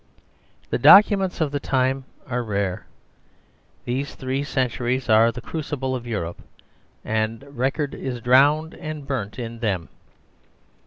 The documents of the time are rare. These three centuries are the crucible of Europe, and record is drowned and burnt in them.